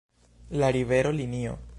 La rivero, linio